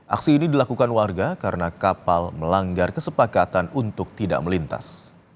aksi ini dilakukan warga karena kapal melanggar kesepakatan untuk tidak melintas